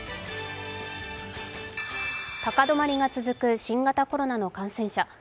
高止まりが続く新型コロナの感染者。